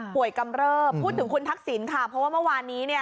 กำเริบพูดถึงคุณทักษิณค่ะเพราะว่าเมื่อวานนี้เนี่ย